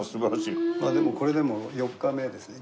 でもこれでも４日目ですね